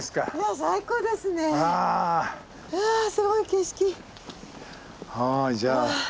あすごい景色。